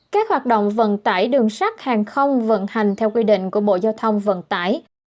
các hoạt động vận tải đường sắt hàng không vận hành theo quy định của bộ giao thông vận tải